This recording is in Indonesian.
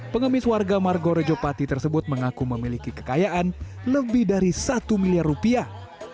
pengemis warga margorejo pati tersebut mengaku memiliki kekayaan lebih dari satu miliar rupiah